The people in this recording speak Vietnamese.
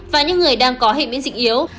và những người đang có hệ biến dịch yếu